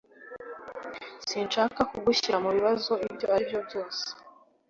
Sinshaka kugushyira mubibazo ibyo aribyo byose